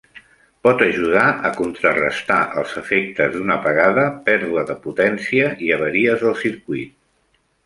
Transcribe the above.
Pot ajudar a contrarestar els efectes d'una apagada, pèrdua de potència i avaries del circuit.